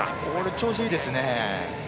調子いいですね。